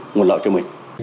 nguồn lợi cho mình